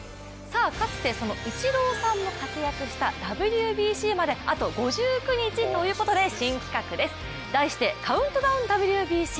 かつてそのイチローさんも活躍したＷＢＣまであと５９日ということで新企画です、題して「カウントダウンＷＢＣ」。